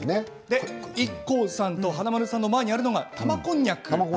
ＩＫＫＯさんと華丸さんの前にあるのが玉こんにゃく。